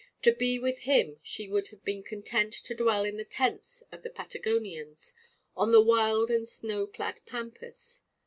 To be with him she would have been content to dwell in the tents of the Patagonians, on the wild and snow clad Pampas.